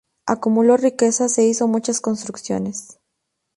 Acumuló riquezas e hizo muchas construcciones.